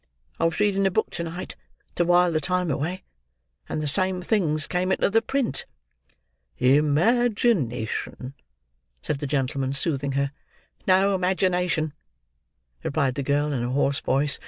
I was reading a book to night, to wile the time away, and the same things came into the print." "Imagination," said the gentleman, soothing her. "No imagination," replied the girl in a hoarse voice.